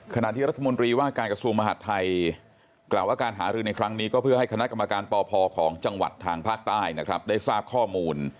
ขณะที่รัฐมนตรีว่าการกระทรวงมหาดไทยกล่าวว่าการหารือในครั้งนี้ก็เพื่อให้คณะกรรมการปพของจังหวัดทางภาคใต้นะครับได้ทราบข้อมูล